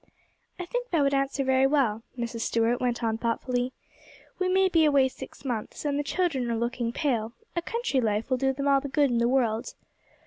'I think that would answer very well,' Mrs. Stuart went on thoughtfully; 'we may be away six months: and the children are looking pale, a country life will do them all the good in the world.